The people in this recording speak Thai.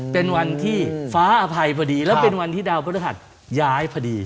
เป็นวันที่ฟ้าอภัยพอดีแล้วเป็นวันที่ดาวพฤหัสย้ายพอดี